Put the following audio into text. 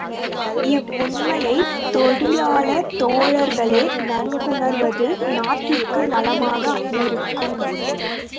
இவ்வுண்மையைத் தொழிலாளர் தோழர்களே நன்குணர்வது, நாட்டிற்கு நலமாக இருக்கும்.